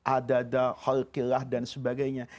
adada holqillah dan sebagainya